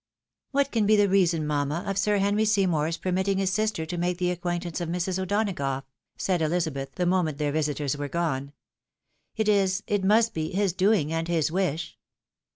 " "What can be the reason, mamma, of Sir Henry Seymour's permitting his sister to make the acquaintance of Mrs. O'Dona gough?" said Elizabeth, the moment their visitors were gone. " It is, it must be, his doing, and his wish.